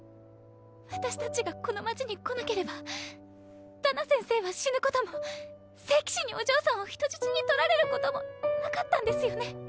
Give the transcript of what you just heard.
私たちがこの町に来なければダナ先生は死ぬことも聖騎士にお嬢さんを人質に取られることもなかったんですよね？